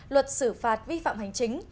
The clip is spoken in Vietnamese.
luật xử phạt vi phạm hành chính